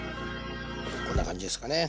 こんな感じですかね。